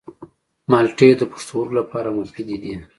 مالټې د پښتورګو لپاره مفیدې دي.